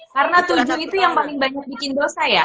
karena tujuh itu yang paling banyak bikin dosa ya